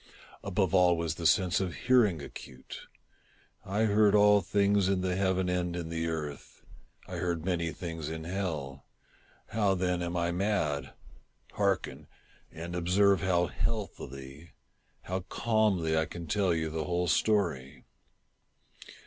Above all was the sense of hearing acute. I heard all things in the heaven and in the earth. I heard many things in hell. How, then, am I mad? Hearken! and observe how healthily — how calmly I can tell you the whole story.